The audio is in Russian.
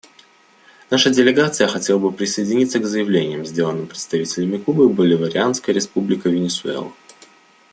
Наша делегация хотела бы присоединиться к заявлениям, сделанным представителями Кубы и Боливарианская Республика Венесуэла.